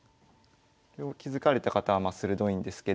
これを気付かれた方はまあ鋭いんですけど。